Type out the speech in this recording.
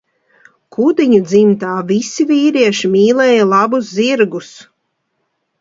Kudiņu dzimtā visi vīrieši mīlēja labus zirgus.